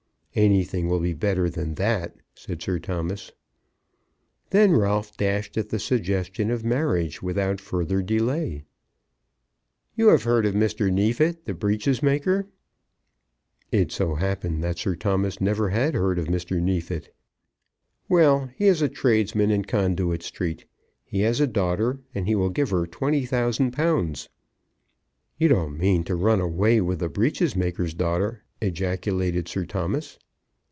"Anything will be better than that," said Sir Thomas. Then Ralph dashed at the suggestion of marriage without further delay. "You have heard of Mr. Neefit, the breeches maker!" It so happened that Sir Thomas never had heard of Mr. Neefit. "Well; he is a tradesman in Conduit Street. He has a daughter, and he will give her twenty thousand pounds." "You don't mean to run away with the breeches maker's daughter?" ejaculated Sir Thomas.